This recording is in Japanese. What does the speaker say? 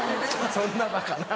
そんなバカな。